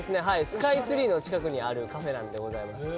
スカイツリーの近くにあるカフェなんでございます。